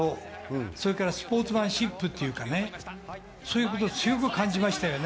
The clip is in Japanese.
それからスポーツマンシップというか、そういうことを強く感じました。